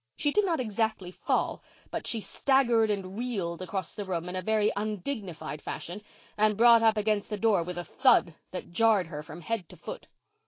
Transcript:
She did not exactly fall, but she staggered and reeled across the room in a very undignified fashion and brought up against the door with a thud that jarred her from head to foot.